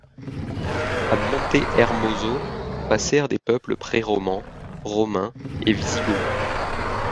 À Montehermoso passèrent des peuples préromans, romains et visigoths.